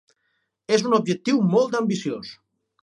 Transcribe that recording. És un objectiu molt ambiciós.